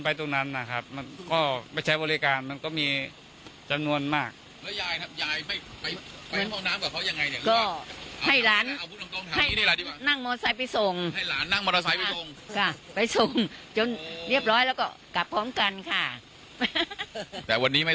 ไปถึงไม่ได้เข้าเลยนะครับจะมีคิวต้องรอกันอีก